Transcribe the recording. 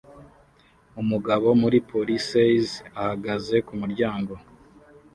Umugabo muri policeis ahagaze kumuryango